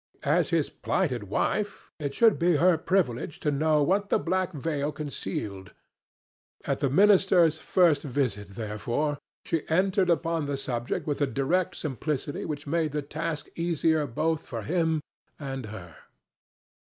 As his plighted wife it should be her privilege to know what the black veil concealed. At the minister's first visit, therefore, she entered upon the subject with a direct simplicity which made the task easier both for him and her.